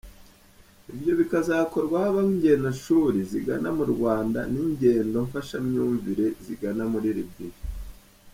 Ibyo bikazakorwa habaho ingendoshuri zigana mu Rwanda n’ingendo mfashamyumvire zigana muri Libya.